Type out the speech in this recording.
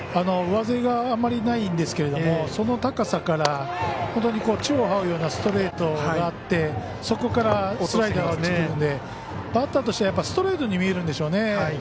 上背があまりないんですけどその高さから非常に地をはうようなストレートがあってそこからスライダーが落ちてくるのでバッターとしてはストレートに見えるんでしょうね。